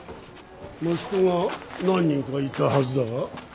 息子は何人かいたはずだが。